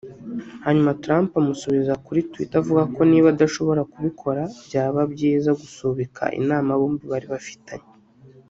hanyuma Trump amusubiza kuri Twitter avuga ko niba adashobora kubikora byaba byiza gusubika inama bombi bari bafitanye